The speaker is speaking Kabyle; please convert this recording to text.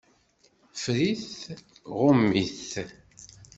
Ffer-it, ɣum-it.